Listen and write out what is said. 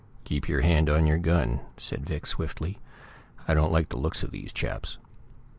"Keep your hand on your gun," said Vic swiftly. "I don't like the looks of these chaps."